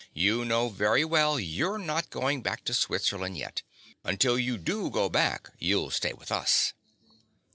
You know very well you're not going back to Switzerland yet. Until you do go back you'll stay with us.